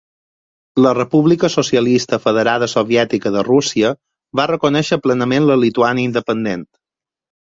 La República Socialista Federada Soviètica de Rússia va reconèixer plenament la Lituània independent.